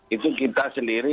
itu kita sendiri